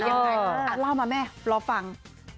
อย่างไรอ่าเล่ามาแม่รอฟัง